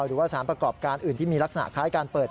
หรือว่าสารประกอบการอื่นที่มีลักษณะคล้ายการเปิด